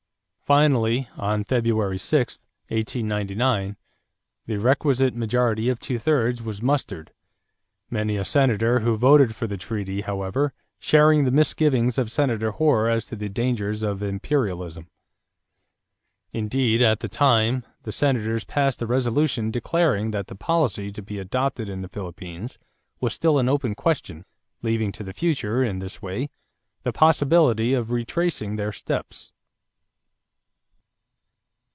Finally, on February 6, 1899, the requisite majority of two thirds was mustered, many a Senator who voted for the treaty, however, sharing the misgivings of Senator Hoar as to the "dangers of imperialism." Indeed at the time, the Senators passed a resolution declaring that the policy to be adopted in the Philippines was still an open question, leaving to the future, in this way, the possibility of retracing their steps.